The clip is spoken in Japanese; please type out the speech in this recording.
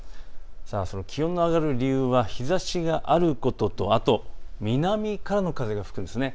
気温が上がる理由は日ざしがあることと南からの風が吹くんですね。